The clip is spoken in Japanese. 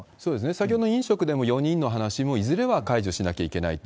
先ほど、飲食でも４人の話もいずれは解除しなきゃいけないと。